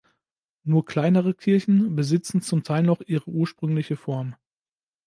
Nur kleinere Kirchen besitzen zum Teil noch ihre ursprüngliche Form.